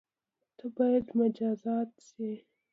ته بايد مجازات شی